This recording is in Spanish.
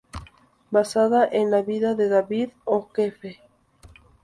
Basada en la vida de David O'Keefe.